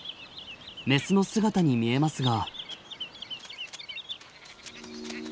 メスの姿に見えますが。